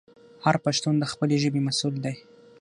هر پښتون د خپلې ژبې مسوول دی.